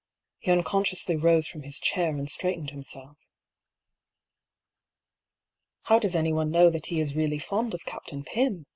He unconsciously rose from his chair and straightened himself. " How does anyone know that he is really fond of Captain Pym